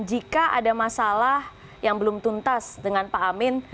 jika ada masalah yang belum tuntas dengan pak amin